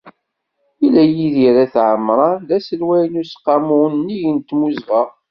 Yella Yidir Ayt Ɛemran d aselway n Useqqamu Unnig n Timmuzɣa.